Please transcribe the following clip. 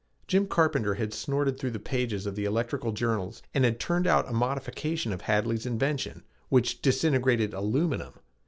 Jim Carpenter had snorted through the pages of the electrical journals and had turned out a modification of Hadley's invention which disintegrated aluminum.